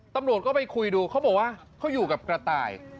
ตำรวจก็ไปคุยดูเขาบอกว่าเขาอยู่กับกระต่าย